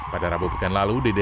pada rabu pekan lalu